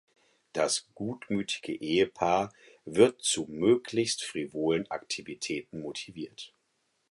Das gutmütige Ehepaar wird zu möglichst frivolen Aktivitäten motiviert.